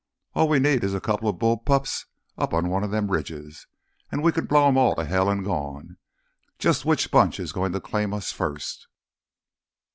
All we need is a coupla bull pups up on one of them ridges an' we could blow 'em all to hell an' gone! Jus' which bunch is goin' to claim us first?"